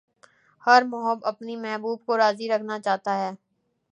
ہر محب اپنے محبوب کو راضی رکھنا چاہتا ہے۔